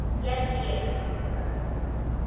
جنګ یې تمام کړ.